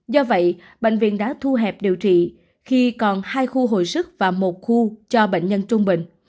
do vậy bệnh viện đã thu hẹp điều trị khi còn hai khu hồi sức và một khu cho bệnh nhân trung bình